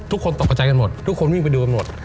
ตกกระใจกันหมดทุกคนวิ่งไปดูกันหมด